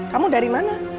kamu dari mana